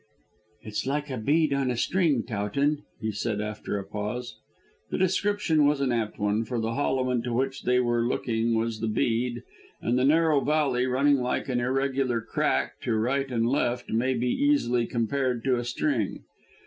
"It's like a bead on a string, Towton," he said after a pause. The description was an apt one, for the hollow into which they were looking was the bead, and the narrow valley, running like an irregular crack to right and left, might be easily compared to a string.